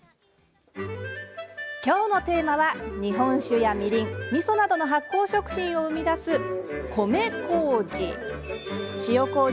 きょうのテーマは日本酒や、みりん、みそなどの発酵食品を生み出す、米こうじ。